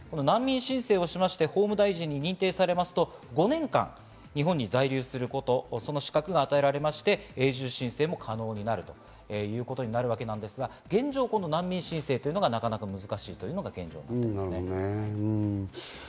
難民申請をしまして、法務大臣に認定されますと、５年間、日本に在留すること、その資格が与えられまして移住申請も可能になるということになるわけなんですが、現状、難民申請が難しいということです。